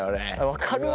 分かるわ。